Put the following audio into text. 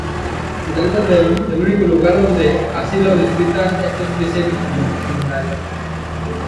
Se trata del único lugar donde ha sido descrita esta especie mineral.